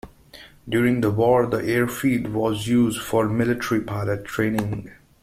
During the war, the airfield was used for military pilot training.